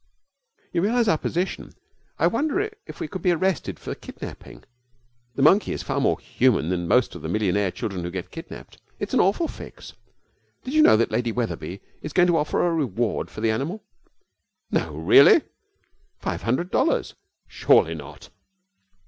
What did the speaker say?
'You realize our position? I wonder if we could be arrested for kidnapping. The monkey is far more human than most of the millionaire children who get kidnapped. It's an awful fix. Did you know that Lady Wetherby is going to offer a reward for the animal?' 'No, really?' 'Five hundred dollars!' 'Surely not!'